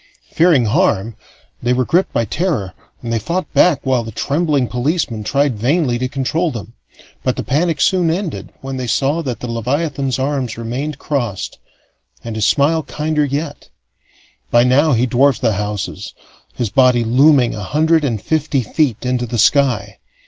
Fearing harm, they were gripped by terror, and they fought back while the trembling policemen tried vainly to control them; but the panic soon ended when they saw that the leviathan's arms remained crossed and his smile kinder yet. By now he dwarfed the houses, his body looming a hundred and fifty feet into the sky.